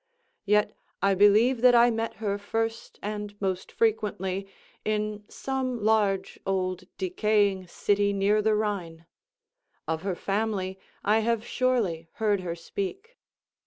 Yet I believe that I met her first and most frequently in some large, old, decaying city near the Rhine. Of her family—I have surely heard her speak.